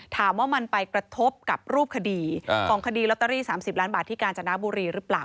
ถามว่ามันไปกระทบกับรูปคดีของคดีลอตเตอรี่๓๐ล้านบาทที่กาญจนบุรีหรือเปล่า